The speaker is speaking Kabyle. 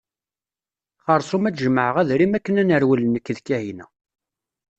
Xerṣum ad jemɛeɣ adrim akken ad nerwel nekk d Kahina.